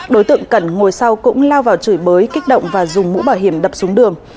đối tượng cẩn ngồi sau cũng lao vào chửi bới kích động và dùng mũ bảo hiểm đập xuống đường